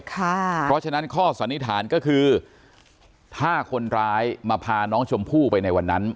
เพราะฉะนั้นข้อสันนิษฐานก็คือถ้าคนร้ายมาพาน้องชมพู่ไปในวันนั้น